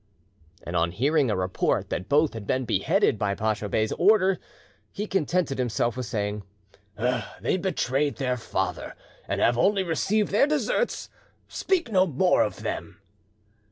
And on hearing a report that both had been beheaded by Dacha Bey's order, he contented himself with saying, "They betrayed their father, and have only received their deserts; speak no more of them."